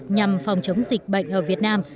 nhằm phòng chống dịch bệnh ở việt nam